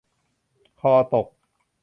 คอตก